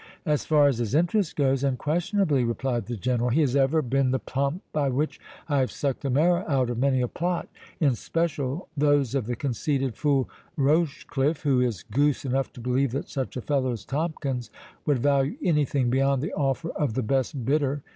"As far as his interest goes, unquestionably," replied the General. "He has ever been the pump by which I have sucked the marrow out of many a plot, in special those of the conceited fool Rochecliffe, who is goose enough to believe that such a fellow as Tomkins would value any thing beyond the offer of the best bidder.